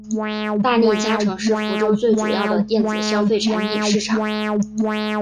大利嘉城是福州最主要的电子消费产品市场。